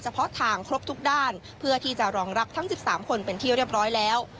เพาะทางครบทุกด้านเพื่อที่จะรองรับทั้ง๑๓คนเป็นที่เรียบร้อยแล้ว